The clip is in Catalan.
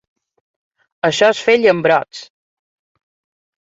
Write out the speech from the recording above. Això és fer llambrots!